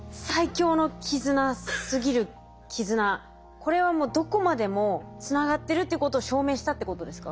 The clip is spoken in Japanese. これはもうどこまでもつながってるっていうことを証明したってことですか？